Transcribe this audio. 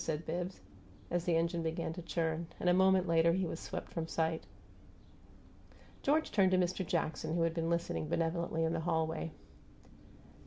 said Bibbs, as the engine began to churn; and a moment later he was swept from sight. George turned to Mist' Jackson, who had been listening benevolently in the hallway.